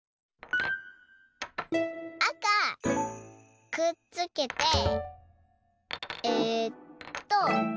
あかくっつけてえっと